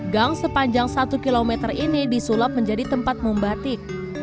gang sepanjang satu km ini disulap menjadi tempat membatik